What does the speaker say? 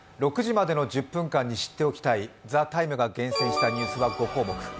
６時までの１０分間に知っておきたい「ＴＨＥＴＩＭＥ，」が厳選したニュースは５項目。